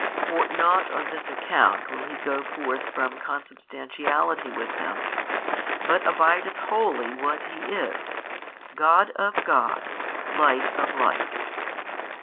For not on this account will He go forth from Consubstantiality with Him, but abideth wholly what He is, God of God, Light of Light.